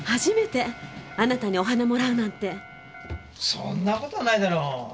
そんな事はないだろう。